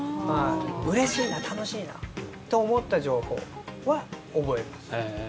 うれしいな、楽しいなと思った情報は覚えます。